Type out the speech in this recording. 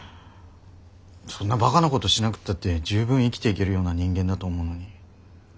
そんなバカなことしなくったって十分生きていけるような人間だと思うのに。